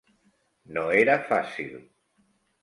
No era fàcil.